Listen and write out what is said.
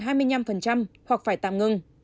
hoặc phải tạm ngưng